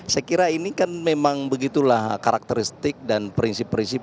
saya kira ini kan memang begitulah karakteristik dan prinsip prinsip